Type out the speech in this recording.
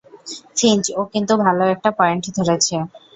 Finch, ও কিন্তু ভালো একটা পয়েন্ট ধরেছে।